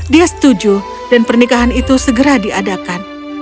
dia setuju dan pernikahan itu segera diadakan